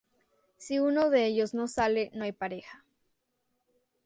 Si uno de ellos no sale no hay pareja.